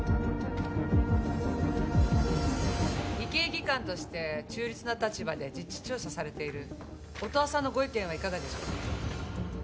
医系技官として中立な立場で実地調査されている音羽さんのご意見はいかがでしょうか？